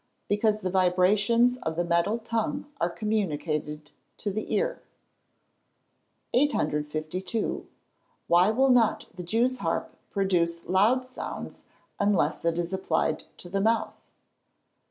_ Because the vibrations of the metal tongue are communicated to the ear. 852. _Why will not the Jew's harp produce loud sounds unless it is applied to the mouth?